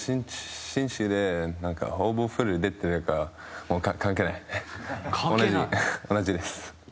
信州でほぼフルで出てたから関係ない、同じです。